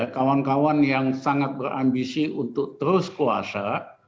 kawan kawan yang sangat berambisi untuk terus kuasa